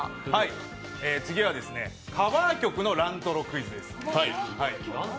次はカバー曲のラントロクイズです。